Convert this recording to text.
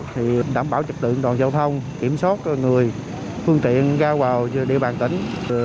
thì đảm bảo trực tượng đoàn giao thông kiểm soát người phương tiện giao vào địa bàn tỉnh